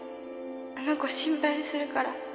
あの子心配するから